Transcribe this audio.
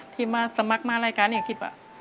ที่มาสมัครมารายการเนี่ยคิดว่า